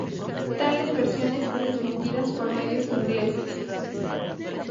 Tales versiones son desmentidas por medios ingleses.